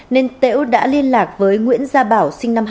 nên tễu đã liên lạc với nguyễn gia bảo sinh năm hai nghìn